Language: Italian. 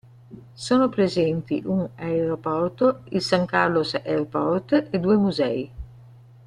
Sono presenti un aeroporto, il San Carlos Airport, e due musei.